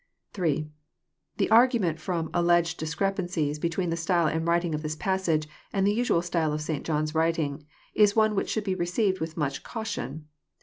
8. The argument from alleged discrepancies between the style and language of this passage, and the usual style of St. John's writing, is one which should be received with much caution.